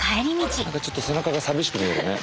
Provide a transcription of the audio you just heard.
何かちょっと背中が寂しく見えるね。